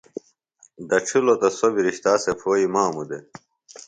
دڇھِلوۡ تہ سوۡ بہ رِشتا سےۡ پھوئی ماموۡ دےۡ